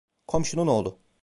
Komşunun oğlu…